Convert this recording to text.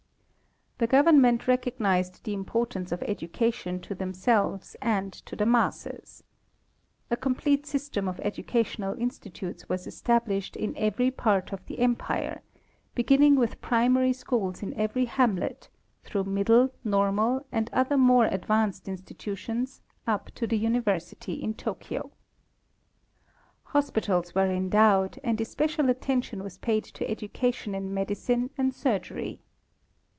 The government recognized the importance of education to themselves and to the masses. A complete system of educa tional institutions was established in every part of the empire, beginning with primary schools in every hamlet, through mid dle, normal and other more adyanced institutions, up to the university in Tokio. Hospitals were endowed, and especial attention was paid to education in medicine and surgery.